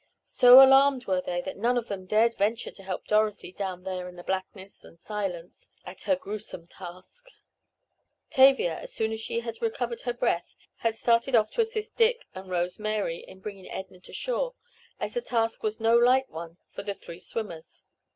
So alarmed were they that none of them dared venture to help Dorothy down there in the blackness and silence, at her grewsome task. Tavia, as soon as she had recovered her breath, had started off to assist Dick and Rose Mary in bringing Edna to shore, as the task was no light one for the three swimmers.